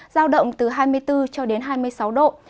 giao động từ hai mươi bốn cho đến hai mươi sáu độ